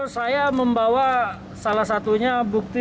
saya membawa salah satunya bukti